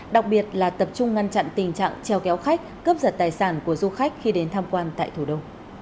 đặc biệt là tập trung ngăn chặn tình trạng treo kéo khách cướp giật tài sản của du khách khi đến tham quan tại thủ đô